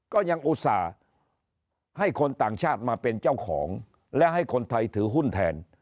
ก็ยังอุตส่าห์ให้คนต่างชาติมาเป็นเจ้าของและให้คนไทยถือหุ้นแทน